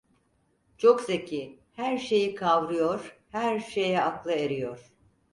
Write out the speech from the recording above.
Çok zeki, her şeyi kavrıyor, her şeye aklı eriyor.